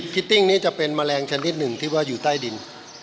ิตติ้งนี้จะเป็นแมลงชนิดหนึ่งที่ว่าอยู่ใต้ดิน